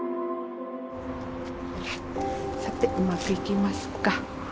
さてうまくいきますか。